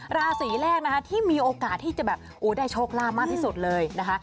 ราศีแรกนะคะที่มีโอกาสที่จะแบบได้โชคลาภมากที่สุดเลยนะคะ